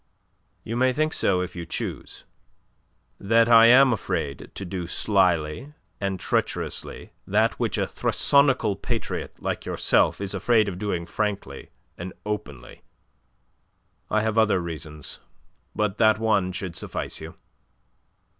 "You may think so if you choose that I am afraid to do slyly and treacherously that which a thrasonical patriot like yourself is afraid of doing frankly and openly. I have other reasons. But that one should suffice you."